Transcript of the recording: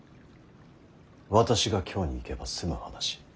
私が京に行けば済む話。